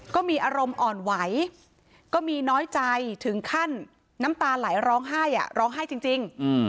ก็มีอารมณ์อ่อนไหวก็มีน้อยใจถึงขั้นน้ำตาไหลร้องไห้ร้องไห้จริง